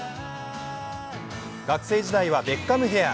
学生時代はベッカムヘア。